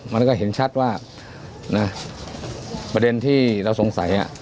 มันก็เห็นชัดว่านะประเด็นที่เราสงสัย